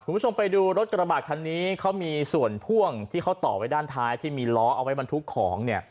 คุณผู้ชมไปดูรถกระบาดคันนี้เขามีส่วนพ่วงที่เขาต่อไว้ด้านท้ายที่มีล้อเอาไว้บรรทุกของเนี่ย